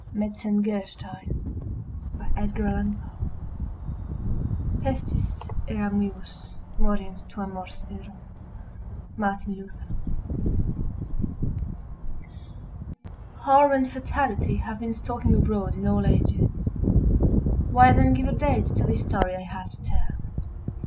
METZENGERSTEIN Pestis eram vivus—moriens tua mors ero. —Martin Luther Horror and fatality have been stalking abroad in all ages. Why then give a date to this story I have to tell?